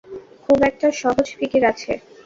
খুব একটা সহজ ফিকির আছে।